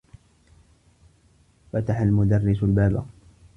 فتح المدرّس الباب.